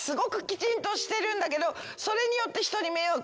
それによって。